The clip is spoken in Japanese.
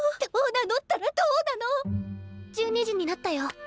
どうなのったらどうなの⁉１２時になったよ。